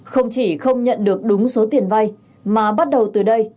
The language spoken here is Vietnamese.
không chỉ không nhận được đúng số tiền vay mà bắt đầu từ đây